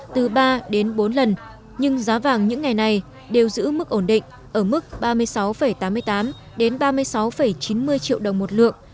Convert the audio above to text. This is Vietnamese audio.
từ ba đến bốn lần nhưng giá vàng những ngày này đều giữ mức ổn định ở mức ba mươi sáu tám mươi tám đến ba mươi sáu chín mươi triệu đồng một lượng